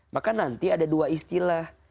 maka nanti ada dua istilah